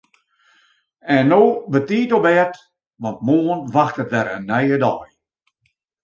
En no betiid op bêd want moarn wachtet wer in nije dei.